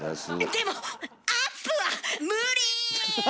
でもアップはむり！